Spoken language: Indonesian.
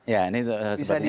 ya ini sepertinya